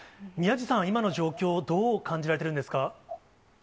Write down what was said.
宮治さん、今の状況をどう感じられてるんですか。